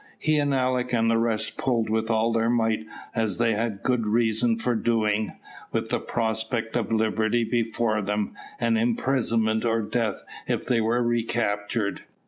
He and Alick and the rest pulled with all their might, as they had good reason for doing, with the prospect of liberty before them, and imprisonment or death if they were recaptured.